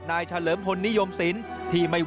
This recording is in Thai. นายเฉลิมฮนนิยมศิลป์